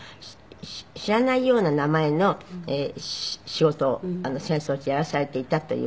知らないような名前の仕事を戦争中やらされていたという事なんで。